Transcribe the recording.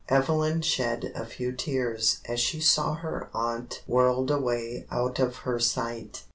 Evelyn shed a few tears as she saw her aunt whirled away out of her sight.